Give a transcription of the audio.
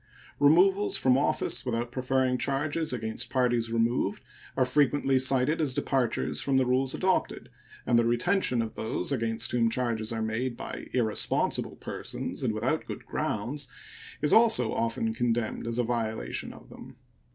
Removals from office without preferring charges against parties removed are frequently cited as departures from the rules adopted, and the retention of those against whom charges are made by irresponsible persons and without good grounds is also often condemned as a violation of them.